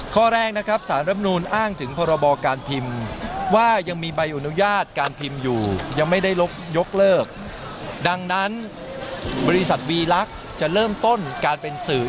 ข้อแรกนะครับศาลรับนูลอ้างถึงพ